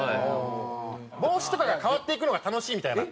帽子とかが変わっていくのが楽しいみたいな。